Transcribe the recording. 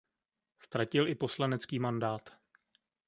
Ztratil i poslanecký mandát.